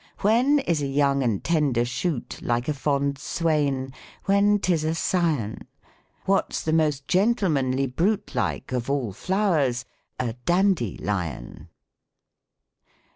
When is a young and tender shoot Like a fond swain ? When 'tis a scion. What's the most gentlemanly brute Like, of all flow'rs ? A dandy lion.'